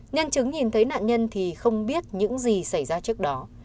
nhân chứng nhìn thấy nạn nhân thì không biết những gì xảy ra trước đó